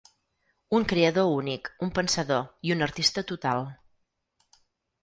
Un creador únic, un pensador i un artista total.